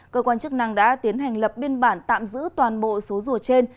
cơ quan chức năng đã tiến hành lập biên bản tạm giữ toàn bộ số rùa trên